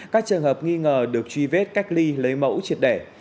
các trường hợp nghi ngờ được truy vết cách ly lấy mẫu triệt đẻ